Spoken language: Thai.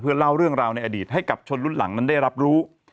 เล่าเรื่องราวในอดีตให้กับชนรุ่นหลังนั้นได้รับรู้